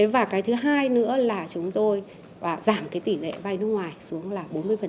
và thứ hai nữa là chúng tôi giảm tỷ lệ vay nước ngoài xuống là bốn mươi